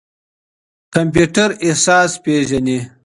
کمپيوټر احساس پېژني.